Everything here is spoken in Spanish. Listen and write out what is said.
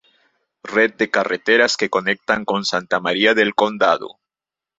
Red de carreteras que conectan con Santa María del Condado